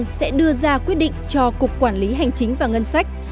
sẽ đưa ra quyết định cho cục quản lý hành chính và ngân sách